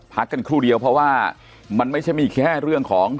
พักกันครู่เดียวเพราะว่ามันไม่ใช่มีแค่เรื่องของ